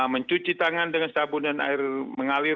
mencuci tangan dengan sabun dan air mengalir